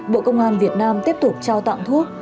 bộ công an việt nam tiếp tục trao tặng thuốc